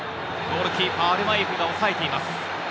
ゴールキーパー、アルマイウフが抑えています。